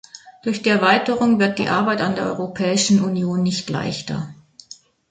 Durch die Erweiterung wird die Arbeit in der Europäischen Union nicht leichter.